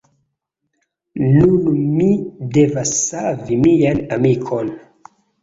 Nun mi devas savi mian amikon.